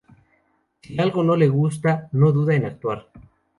Si algo no le gusta, no duda en actuar.